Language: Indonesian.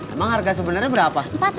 emang harga sebenernya berapa